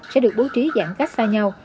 sẽ được bố trí giãn cách xa nhau